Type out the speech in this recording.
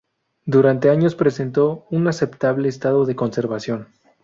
Durante años presentó un aceptable estado de conservación.